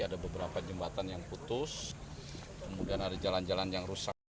ada beberapa jembatan yang putus kemudian ada jalan jalan yang rusak